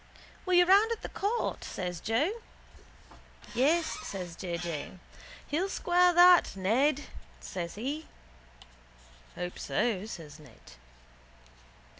—Were you round at the court? says Joe. —Yes, says J. J. He'll square that, Ned, says he. —Hope so, says Ned.